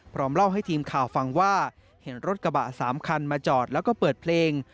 เล่าให้ทีมข่าวฟังว่าเห็นรถกระบะ๓คันมาจอดแล้วก็เปิดเพลง